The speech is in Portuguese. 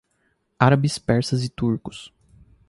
Árabes, persas e turcos